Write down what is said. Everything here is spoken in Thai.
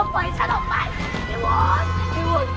พี่วุด